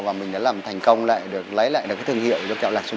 và mình đã làm thành công lại được lấy lại được cái thương hiệu cho kẹo lạc trung